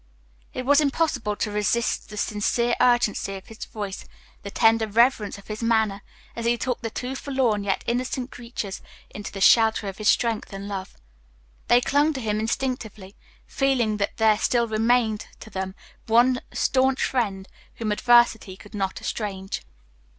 It was impossible to resist the sincere urgency of his voice, the tender reverence of his manner, as he took the two forlorn yet innocent creatures into the shelter of his strength and love. They clung to him instinctively, feeling that there still remained to them one staunch friend whom adversity could not estrange.